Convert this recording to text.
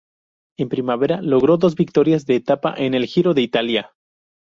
En primavera, logró dos victorias de etapa en el Giro de Italia.